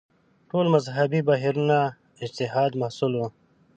ټول مذهبي بهیرونه اجتهاد محصول وو